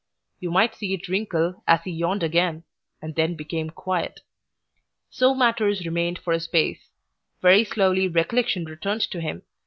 You might see it wrinkle as he yawned again, and then became quiet. So matters remained for a space. Very slowly recollection returned to him.